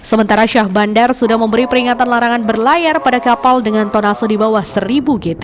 sementara syah bandar sudah memberi peringatan larangan berlayar pada kapal dengan tonase di bawah seribu gt